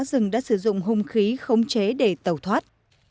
rừng đã sử dụng hung khí không chế để tàu thoát